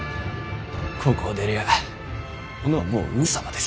ここを出りゃ殿はもう上様です。